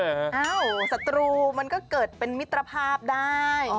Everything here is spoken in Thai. อ้าวสัตว์ตรูมันก็เกิดเป็นมิตรภาพได้